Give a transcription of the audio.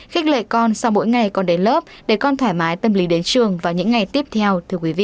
khích lệ con sau mỗi ngày con đến lớp để con thoải mái tâm lý đến trường vào những ngày tiếp theo